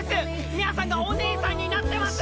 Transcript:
ミャアさんがおねえさんになってます！